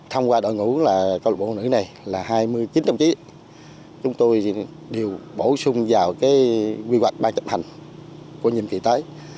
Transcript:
thông qua đội ngũ là câu lạc bộ nữ này là hai mươi chín đồng chí chúng tôi đều bổ sung vào cái quy hoạch ban chập hành của nhiệm kỳ tới